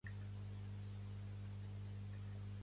Però quina cosa s'han pensat que són, aquesta genterola?